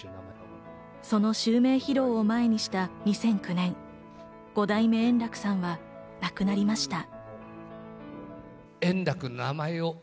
その襲名披露を前にした２００９年、五代目圓楽さんは亡くなりました。